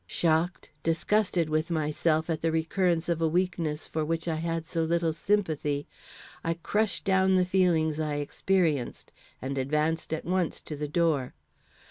Shocked, disgusted with myself at the recurrence of a weakness for which I had so little sympathy, I crushed down the feelings I experienced, and advanced at once to the door.